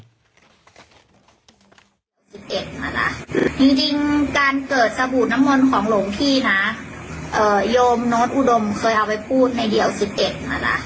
๑๑มานะจริงการเกิดสบู่น้ำมนต์ของหลวงพี่นะเอ่อโยมโน้ตอุดมเคยเอาไปพูดในเดี่ยว๑๑มานะ